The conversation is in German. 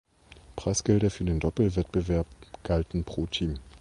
Preisgelder für den Doppelwettbewerb galten pro Team.